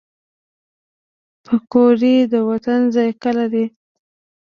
پکورې د وطن ذایقه لري